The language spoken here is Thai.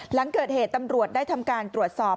หลังเกิดเหตุตำรวจได้ทำการตรวจสอบ